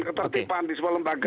ketertipan di semua lembaga